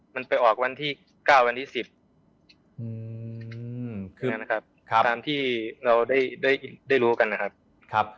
มันไปออกวันที่๙วันที่๑๐คือนะครับตามที่เราได้รู้กันนะครับ